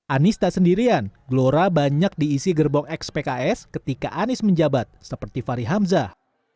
anies tak sendirian glora banyak diisi gerbong ex pks ketika anies menjabat seperti fahri hamzah